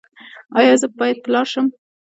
ایا زه باید پلار شم؟